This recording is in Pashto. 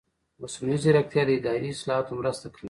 مصنوعي ځیرکتیا د اداري اصلاحاتو مرسته کوي.